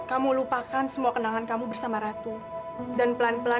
aduh aduh itu belum tutup